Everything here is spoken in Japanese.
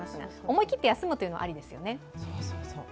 思い切って休むというのは、ありですよね。